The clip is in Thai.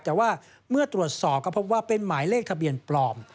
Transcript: แต่ว่าเมื่อตรวจสอบก็พบว่าเป็นหมายเลขทะเบียนปลอม